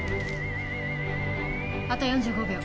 あと４５秒。